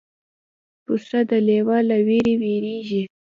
پسه د لیوه له وېرې وېرېږي.